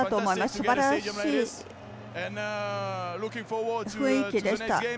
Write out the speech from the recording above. すばらしい雰囲気でした。